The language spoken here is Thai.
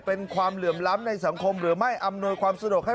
เป็นความเหลื่อมล้ำในสังคมหรือไม่